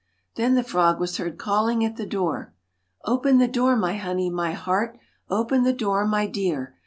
Then the frog was heard calling at the door c Open the door, my honey, my heart, Open the door, my dear.